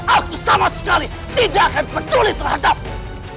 aku sama sekali tidak akan peduli terhadapmu